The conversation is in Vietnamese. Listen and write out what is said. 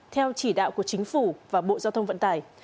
theo chỉ đạo của chính phủ và bộ giao thông vận tải